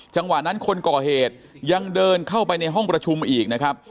จังหวะนั้นคนก่อเหตุยังเดินเข้าไปในห้องประชุมอีกนะครับ